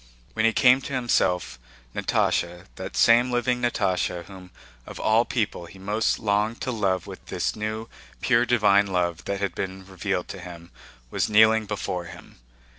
When he came to himself, Natásha, that same living Natásha whom of all people he most longed to love with this new pure divine love that had been revealed to him, was kneeling before him.